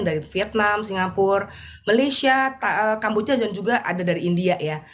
dari vietnam singapura malaysia kamboja dan juga ada dari india ya